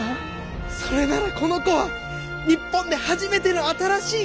それならこの子は日本で初めての新しい科！